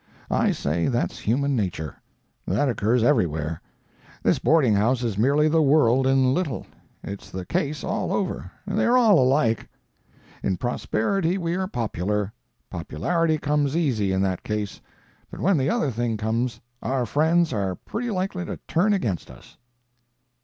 I say that's human nature; that occurs everywhere; this boarding house is merely the world in little, it's the case all over—they're all alike. In prosperity we are popular; popularity comes easy in that case, but when the other thing comes our friends are pretty likely to turn against us."